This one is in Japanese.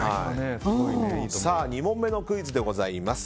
２問目のクイズでございます。